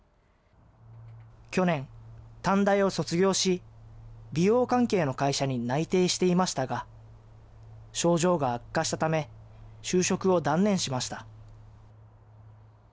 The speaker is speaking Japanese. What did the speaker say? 去年、短大を卒業し、美容関係の会社に内定していましたが、症状が悪化したため、就職を断念しました。